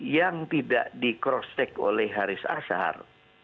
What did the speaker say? yang tidak di cross check oleh haris azhar